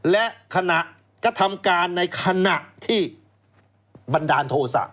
และขณะกระทำการในขณะที่บันดาลโทษะ